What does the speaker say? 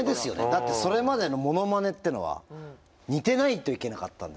だってそれまでのモノマネっていうのは似てないといけなかったんですから。